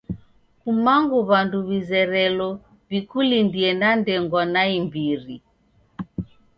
Kumangu w'andu w'izerelo w'ikulindie na ndengwa naimbiri.